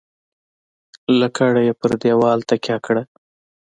. لکڼه یې پر دېوال تکیه کړه .